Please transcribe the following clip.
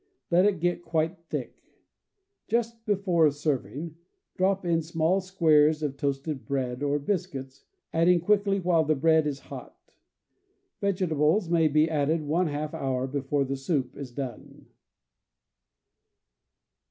Let it get quite thick. Just before serving, drop in small squares of toasted bread or biscuits, adding quickly while the bread is hot. Vegetables may be added one half hour before the soup is done.